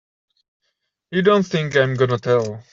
You don't think I'm gonna tell!